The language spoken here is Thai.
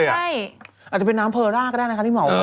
อาจจะเป็นน้ำเพลอราก็ได้นะคะที่เหมา